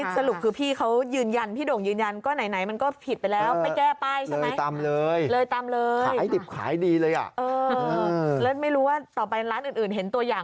สรุปคือพี่เขายืนยันพี่โด่งยืนยัน